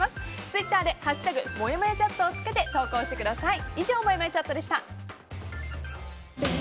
ツイッターで「＃もやもやチャット」をつけて投稿してください。